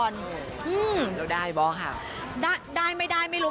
เราได้บ้าคะ